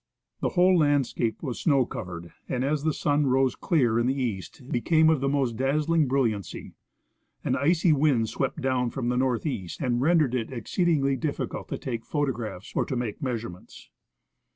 The whole landscape was snow covered, and as the sun rose clear in the east became of the most dazzling brilliancy. An icy wind swept down from the northeast and rendered it exceedingly difficult to take photographs or to make measurements.